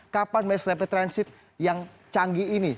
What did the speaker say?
kapan mass rapid transit yang canggih ini